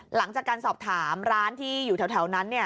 หลังจากการสอบถามร้านที่อยู่แถวนั้น